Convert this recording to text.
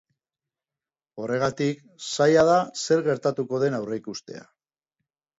Horregatik, zaila da zer gertatuko den aurrikustea.